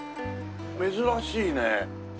珍しいね。